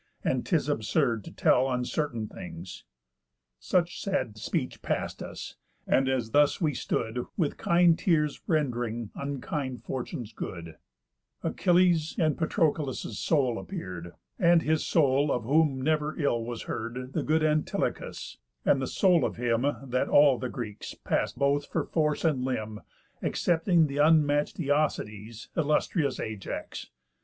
And 'tis absurd to tell uncertain things.' Such sad speech past us; and as thus we stood, With kind tears rend'ring unkind fortunes good, Achilles' and Patroclus' soul appear'd, And his soul, of whom never ill was heard, The good Antilochus, and the soul of him That all the Greeks past both for force and limb, Excepting the unmatch'd Æacides, Illustrious Ajax.